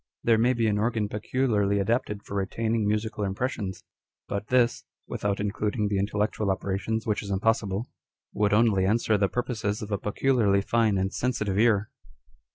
There may be an organ peculiarly adapted for retaining musical impressions, but this (without including the intellectual operations, which is impossible) would only answer the purposes of a peculiarly fine and sensitive ear.